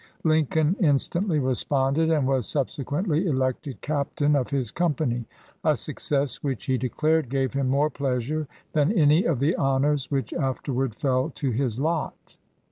Lincoln instantly responded, and was subsequently elected captain of his company — a success which, he declared, gave him more pleasure than any of the honors which afterward fell to his lot.